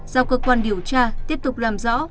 giao cơ quan điều tra tiếp tục làm rõ